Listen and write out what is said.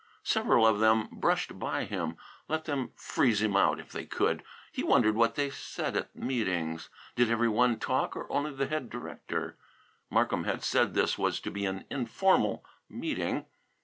Several of them brushed by him. Let them freeze him out if they could. He wondered what they said at meetings. Did every one talk, or only the head director? Markham had said this was to be an informal meeting.